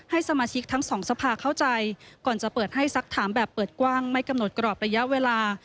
สมาชิกทั้งสองสภาเข้าใจก่อนจะเปิดให้สักถามแบบเปิดกว้างไม่กำหนดกรอบระยะเวลา